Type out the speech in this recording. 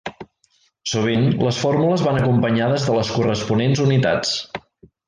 Sovint les fórmules van acompanyades de les corresponents unitats.